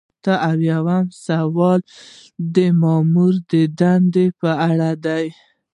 اته اویایم سوال د مامور د دندې په اړه دی.